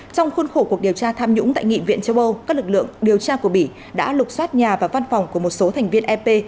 trong khuôn khổ cuộc điều tra tham nhũng tại nghị viện châu âu các lực lượng điều tra của bỉ đã lục xoát nhà và văn phòng của một số thành viên ep